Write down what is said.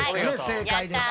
正解です。